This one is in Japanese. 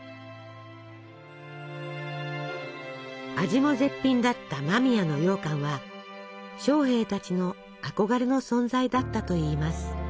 味も絶品だった間宮のようかんは将兵たちの憧れの存在だったといいます。